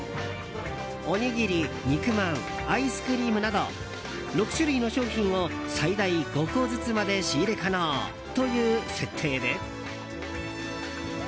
おにぎり、肉まんアイスクリームなど６種類の商品を最大５個ずつまで仕入れ可能という設定で。